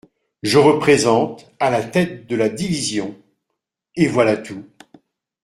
Je représente, à la tête de la division … Et voilà tout.